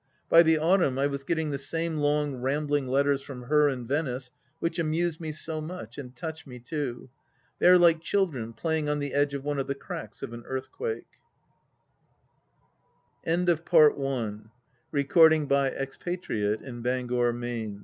By the autumn, I was getting the same long rambling letters from her and Venice which amuse me so much, and touch me too. They are like children playing on the edge of one of the cracks of an earthquake 1 PART U 180 XVI